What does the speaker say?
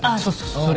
それ。